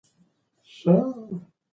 فشار د ننګونې په سترګه د زده کړې لامل ګرځي.